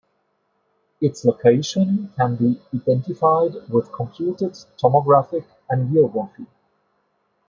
Its location can be identified with computed tomographic angiography.